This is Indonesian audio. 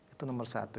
itu nomor satu